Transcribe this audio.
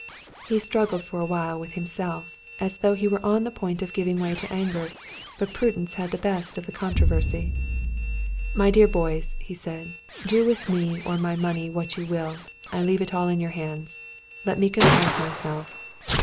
H^ struggled for awhile with himself, as though he were on the point of giving way to anger, but prudence had the best of the controversy. " My dear boys," he said, " do with me or my money what you will. I leave all in your hands. Let me compose my self."